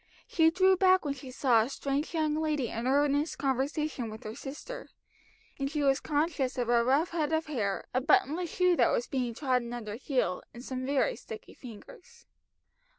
She drew back when she saw a strange young lady in earnest conversation with her sister; and she was conscious of a rough head of hair, a buttonless shoe that was being trodden under heel, and some very sticky fingers.